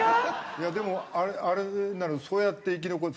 いやでもあれでそうやって生き残る。